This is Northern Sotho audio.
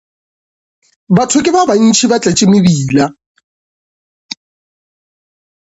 Batho ke ba bantši ba tletše mebila.